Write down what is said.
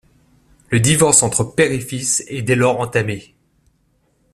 Le divorce entre père et fils est dès lors entamé.